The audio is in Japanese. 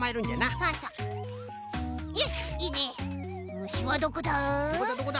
むしはどこだ？